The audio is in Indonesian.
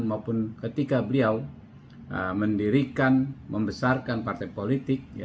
maupun ketika beliau mendirikan membesarkan partai politik